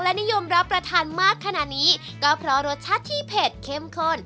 และนิยมรับประทานมากขนาดนี้ก็เพราะรสชาติที่เผ็ดเข้มข้น